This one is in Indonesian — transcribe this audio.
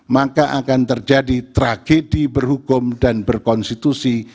maka akan terjadi tragedi berhukum dan berkonstitusi